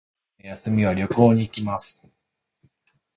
今度の休みには旅行に行きます